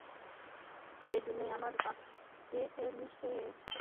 এই দুনিয়ায় আমায় পাঠিয়েছেন নিশ্চয়ই এই সময়টার জন্য!